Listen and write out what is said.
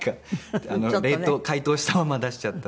解凍したまま出しちゃった。